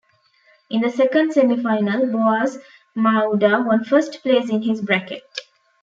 In the second semifinal Boaz Ma'uda won first place in his bracket.